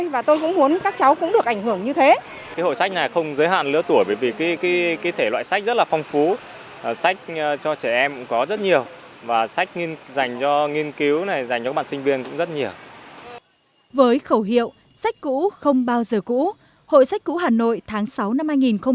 với khẩu hiệu sách cũ không bao giờ cũ hội sách cũ hà nội tháng sáu năm hai nghìn hai mươi